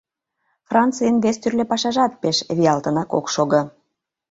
Францийын вес тӱрлӧ пашажат пеш виалтынак ок шого.